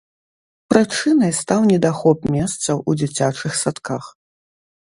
Прычынай стаў недахоп месцаў у дзіцячых садках.